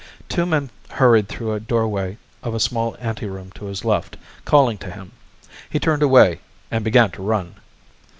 Two men hurried through a doorway of a small anteroom to his left, calling to him. He turned away and began to run.